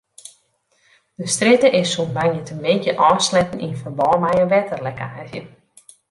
De strjitte is sûnt moandeitemiddei ôfsletten yn ferbân mei in wetterlekkaazje.